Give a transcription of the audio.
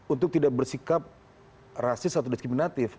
untuk tidak bersikap rasis atau diskriminatif